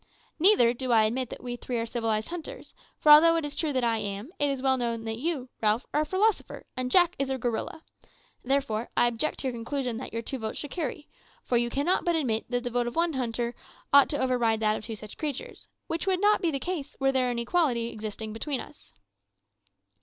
Neither do I admit that we three are civilised hunters; for although it is true that I am, it is well known that you, Ralph, are a philosopher, and Jack is a gorilla. Therefore I object to your conclusion that your two votes should carry; for you cannot but admit that the vote of one hunter ought to override that of two such creatures, which would not be the case were there an equality existing between us."